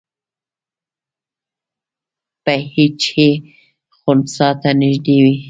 پی ایچ یې خنثی ته نږدې وي.